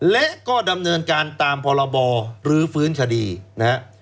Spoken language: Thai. และก็ดำเนินการตามพรบรื้อฟื้นคดีนะฮะ